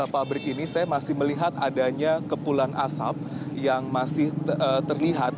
pabrik ini saya masih melihat adanya kepulan asap yang masih terlihat